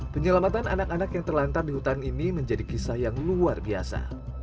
penyelamatan anak anak yang terlantar di hutan ini menjadi kisah yang luar biasa